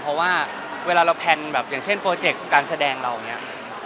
เพราะว่าเวลาเราแพลนแบบอย่างเช่นโปรเจกต์การแสดงเราอย่างนี้